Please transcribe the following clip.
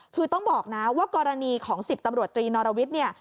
คือต้องบอกนะว่ากรณีของ๑๐ตำรวจตรีนอรวิทย์เนี่ย